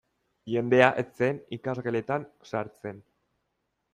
Jendea ez zen ikasgeletan sartzen.